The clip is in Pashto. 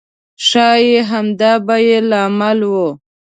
ښایي همدا به یې لامل و.